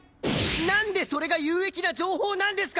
なんでそれが有益な情報なんですか！